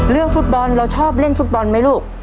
เรื่องฟุตบอลเราชอบเล่นฟุตบอลไหมลูก